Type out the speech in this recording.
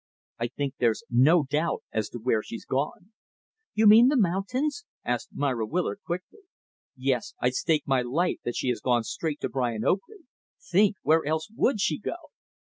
I think there's no doubt as to where she's gone." "You mean the mountains?" asked Myra Willard, quickly. "Yes. I'd stake my life that she has gone straight to Brian Oakley. Think! Where else would she go?"